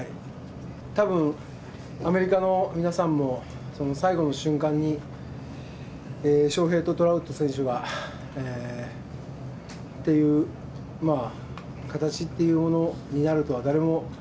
たぶんアメリカの皆さんも、最後の瞬間に翔平とトラウト選手がっていう形っていうものになるとは、誰も。